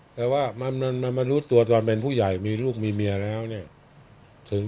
แต่ว่ามันมารู้ตัวตอนเป็นผู้ใหญ่มีลูกมีเมียแล้วเนี่ย